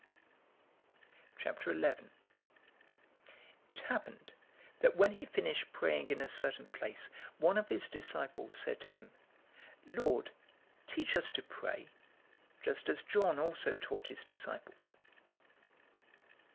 011:001 It happened, that when he finished praying in a certain place, one of his disciples said to him, "Lord, teach us to pray, just as John also taught his disciples."